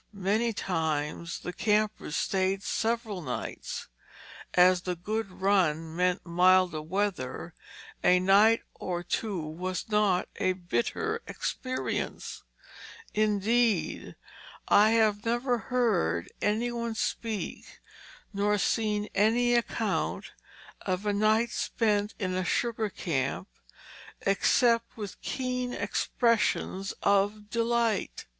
Many times the campers stayed several nights. As the "good run" meant milder weather, a night or two was not a bitter experience; indeed, I have never heard any one speak nor seen any account of a night spent in a sugar camp except with keen expressions of delight.